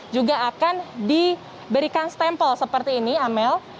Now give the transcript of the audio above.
juga akan diberikan stempel seperti ini amel